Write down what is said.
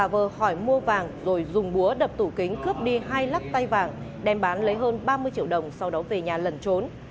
vờ hỏi mua vàng rồi dùng búa đập tủ kính cướp đi hai lắc tay vàng đem bán lấy hơn ba mươi triệu đồng sau đó về nhà lẩn trốn